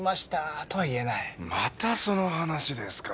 またその話ですか。